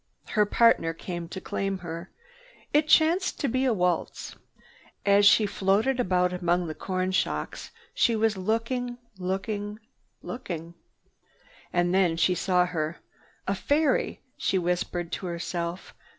Her partner came to claim her. It chanced to be a waltz. As she floated about among the corn shocks, she was looking, looking, looking. And then she saw her. "A fairy!" she whispered to herself.